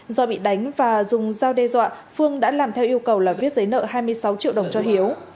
do bị đánh và dùng dao đe dọa phương đã làm theo yêu cầu là viết giấy nợ hai mươi sáu triệu đồng cho hiếu